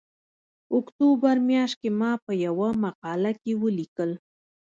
اکتوبر میاشت کې ما په یوه مقاله کې ولیکل